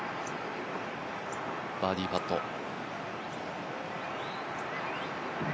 バーディーパット。